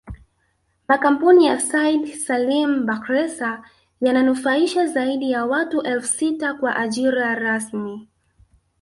Makampuni ya Said Salim Bakhresa yananufaisha zaidi ya watu elfu sita kwa ajira rasmi